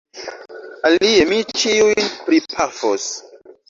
Alie mi ĉiujn pripafos!